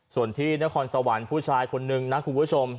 ส่วนที่นครสวรรค์ผู้ชายคนนึงนะคุณผู้ชม